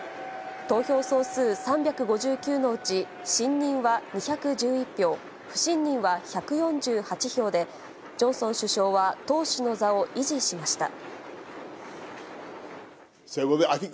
投票総数３５９のうち、信任は２１１票、不信任は１４８票で、ジョンソン首相は党首の座を維持しました。